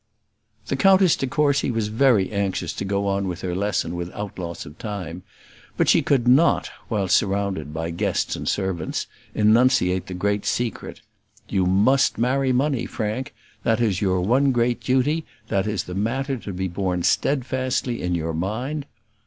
The Countess de Courcy was very anxious to go on with her lesson without loss of time; but she could not, while surrounded by guests and servants, enunciate the great secret: "You must marry money, Frank; that is your one great duty; that is the matter to be borne steadfastly in your mind."